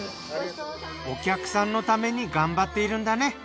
お客さんのために頑張っているんだね。